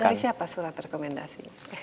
dari siapa surat rekomendasi